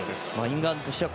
イングランドとしては。